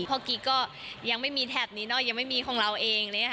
พ่อกี้ก็ยังไม่มีแถบนี้เนอะยังไม่มีของเราเองเลยค่ะ